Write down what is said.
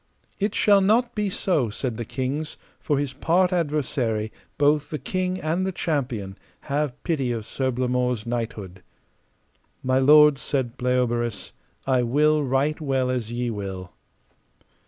It shall not be so, said the kings, for his part adversary, both the king and the champion, have pity of Sir Blamore's knighthood. My lords, said Bleoberis, I will right well as ye will.